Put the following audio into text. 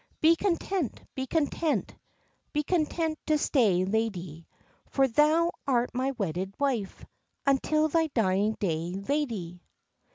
Be content, be content, Be content to stay, ladie, For thou art my wedded wife Until thy dying day, ladie.